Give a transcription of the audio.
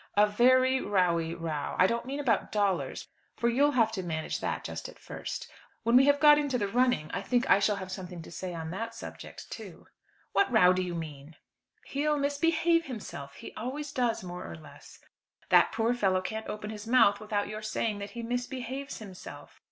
"A very rowy row. I don't mean about dollars, for you'll have to manage that just at first. When we have got into the running, I think I shall have something to say on that subject too." "What row do you mean?" "He'll misbehave himself. He always does, more or less." "The poor fellow can't open his mouth without your saying that he misbehaves himself."